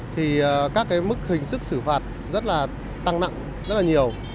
thì các cái mức hình sức xử phạt rất là tăng nặng rất là nhiều